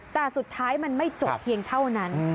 แต่สุดท้ายมันไม่จบเพียงเท่านั้น